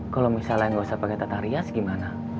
kalau misalnya nggak usah pakai tata rias gimana